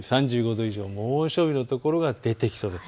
３５度以上、猛暑日の所が出てきそうです。